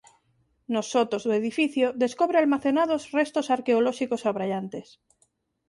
Nos sotos do edificio descobre almacenados restos arqueolóxicos abraiantes.